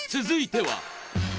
続いては。